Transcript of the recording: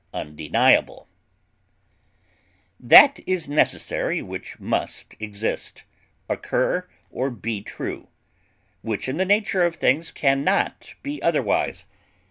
inevitable, needful, That is necessary which must exist, occur, or be true; which in the nature of things can not be otherwise.